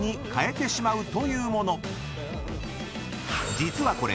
［実はこれ］